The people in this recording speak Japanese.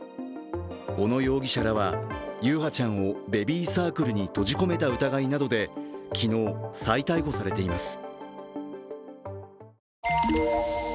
小野容疑者らは、優陽ちゃんをベビーサークルに閉じ込めた疑いなどで昨日、再逮捕されています。